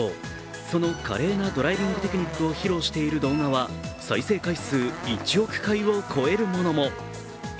その華麗なドライビングテクニックを披露している動画は再生回数１億回を超えるものも。